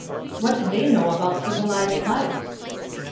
What did they know about civilized life?